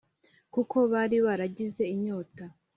kuko bari baragize inyota